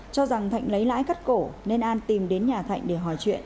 cho rằng thạnh lấy lãi cắt cổ nên an tìm đến nhà thạnh để hỏi chuyện